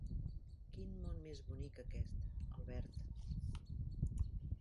Quin món més bonic aquest, Albert.